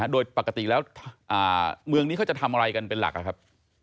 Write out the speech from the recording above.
โดยปกติแล้วเมืองนี้เขาจะทำอะไรกันเป็นหลักครับ